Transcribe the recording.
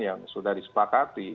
yang sudah disepakati